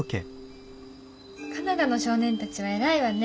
カナダの少年たちは偉いわね。